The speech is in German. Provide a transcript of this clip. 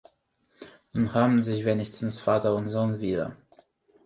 Nun haben sich wenigstens Vater und Sohn wieder.